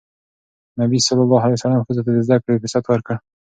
نبي ﷺ ښځو ته د زدهکړې فرصت ورکړ.